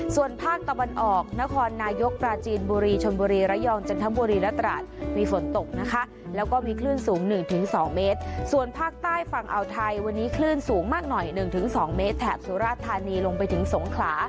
ส่วนภาคตะวันออกนครนายกปราจีนบุรีชนบุรีระยองจนธบุรีระตราศมีฝนตก